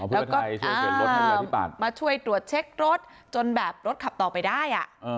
แล้วก็มาช่วยตรวจเช็ครถจนแบบรถขับต่อไปได้